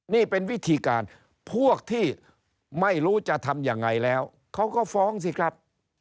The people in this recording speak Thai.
นี่เป็นวิธีการพวกที่ไม่รู้จะทำยังไงแล้วเขาก็ฟ้องสิครับ